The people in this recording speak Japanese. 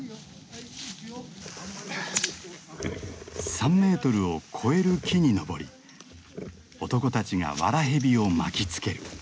３メートルを超える木に登り男たちが藁蛇を巻きつける。